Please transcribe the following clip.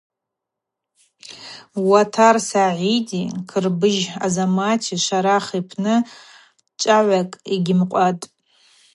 Уатар Сагӏиди Кырбыджь Азамати Шварах йпны чӏвагӏвакӏ йгьымкъватӏ.